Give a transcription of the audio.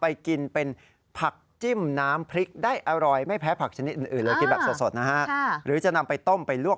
ประกอบอาหารอะไรได้บ้างคะนี่ครับชื่อแปลก